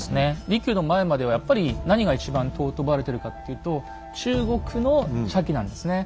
利休の前まではやっぱり何が一番尊ばれてるかっていうと中国の茶器なんですね。